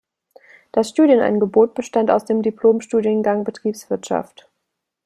Das Studienangebot bestand aus dem Diplom-Studiengang Betriebswirtschaft.